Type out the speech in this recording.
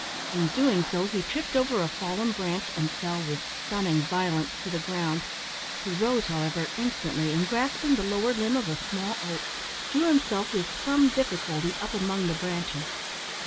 In doing so, he tripped over a fallen branch, and fell with stunning violence to the ground. He rose, however, instantly, and grasping the lower limb of a small oak, drew himself with some difficulty up among the branches.